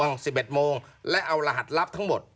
๑๑โมงแมืองแมวและเอารหราหัสลับทั้งหมด